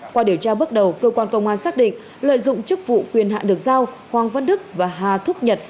qua điều tra bước đầu cơ quan công an xác định lợi dụng chức vụ quyền hạn được giao hoàng văn đức và hà thúc nhật